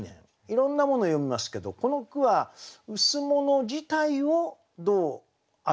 いろんなものを詠みますけどこの句は「羅」自体をどう表すかと。